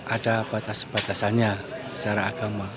ada batas batasannya secara agama